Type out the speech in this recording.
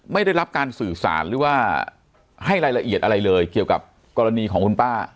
ไม่ได้รับการสื่อสารหรือว่าให้รายละเอียดอะไรเลยเกี่ยวกับกรณีของคุณป้า